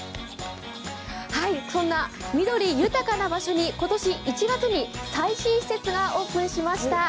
そんな緑豊かな場所に今年１月に最新施設がオープンしました。